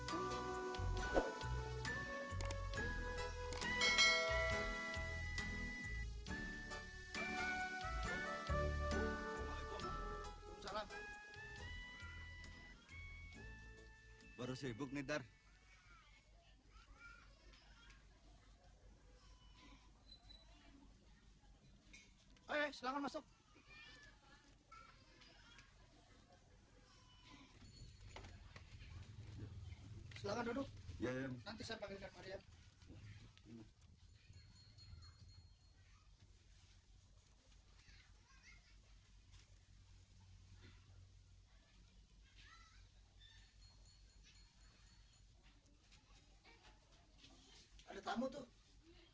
assalamualaikum warahmatullahi wabarakatuh